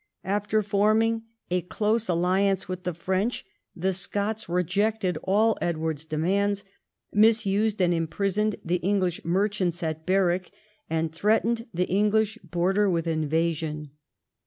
After forming a close alliance with the Fi ench, the Scots rejected all Edward's demands, misused and imprisoned the English merchants at Berwick, and threatened the English border with invasion.